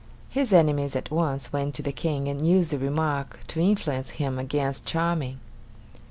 His enemies at once went to the King and used the remark to influence him against Charming.